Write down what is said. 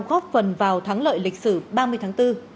góp phần vào thắng lợi lịch sử